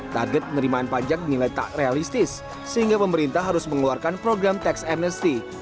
target penerimaan pajak dinilai tak realistis sehingga pemerintah harus mengeluarkan program tax amnesty